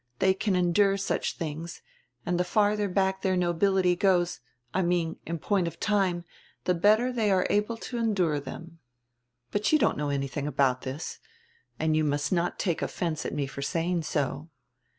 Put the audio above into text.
They can endure such diings, and die farther back dieir nobility goes, I mean in point of time, die better diey are able to endure diem. But you don't know anything about diis and you must not take offense at me for saying so.